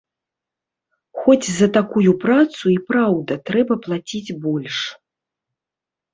Хоць за такую працу і праўда трэба плаціць больш.